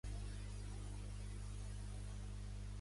Guardi en la memòria el nom d'en Desideri.